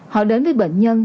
họ đến với bệnh nhân